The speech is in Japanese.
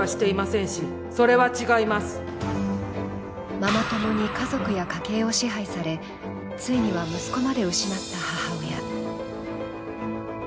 ママ友に家族や家計を支配されついには息子まで失った母親。